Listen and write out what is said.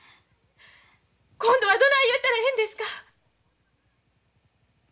今度はどない言うたらええんですか？